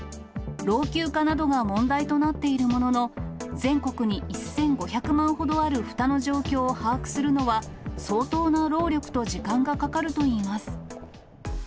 老朽化などが問題となっているものの、全国に１５００万ほどあるふたの状況を把握するのは、相当な労力と時間がかかるといいます。